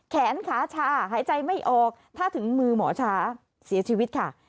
แขนขาชาหายใจไม่ออกถ้าถึงมือหมอช้าเสียชีวิตค่ะ